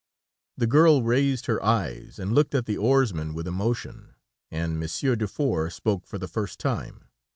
The girl raised her eyes, and looked at the oarsman with emotion, and Monsieur Dufour spoke for the first time.